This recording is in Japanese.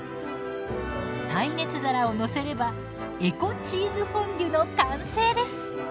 耐熱皿を載せればエコ・チーズフォンデュの完成です！